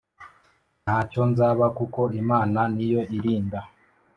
ntacyo nzaba kuko imana niyo irinda